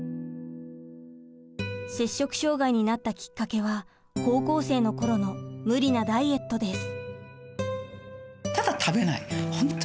摂食障害になったきっかけは高校生の頃の無理なダイエットです。